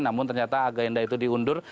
namun ternyata agenda itu diundur